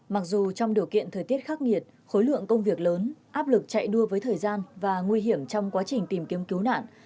mặc dù trong điều kiện thời tiết khắc nghiệt khối lượng công việc lớn áp lực chạy đua với thời gian và nguy hiểm trong quá trình tìm kiếm cứu nạn